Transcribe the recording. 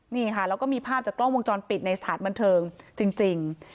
นี่ค่ะแล้วก็มีภาพจากกล้องวงจรปิดในสถานบันเทิงจริง